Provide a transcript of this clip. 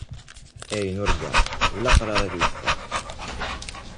Ayen urgaɣ ulaqrar ad yeffeɣ.